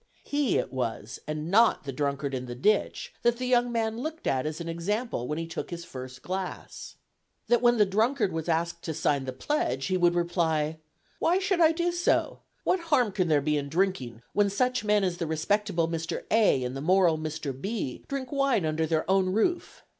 He it was, and not the drunkard in the ditch, that the young man looked at as an example when he took his first glass. That when the drunkard was asked to sign the pledge, he would reply, "Why should I do so? What harm can there be in drinking, when such men as respectable Mr. A, and moral Mr. B drink wine under their own roof?"